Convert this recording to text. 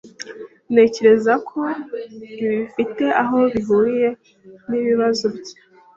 Ntekereza ko ibi bifite aho bihuriye nibibazo bya